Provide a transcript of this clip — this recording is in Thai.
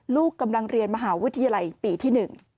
ลูกกำลังเรียนมหาวิทยาลัยปีที่๑